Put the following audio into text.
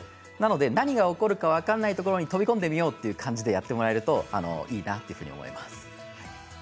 何が起こるか分からないところへ飛び込んでみようという感じでやってもらえるといいなと思います。